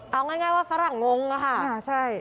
เอาง่ายว่าสร่างงงค่ะ